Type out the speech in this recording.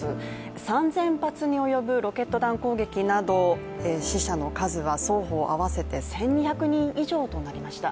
３０００発に及ぶロケット弾攻撃など死者の数は双方合わせて１２００人以上となりました。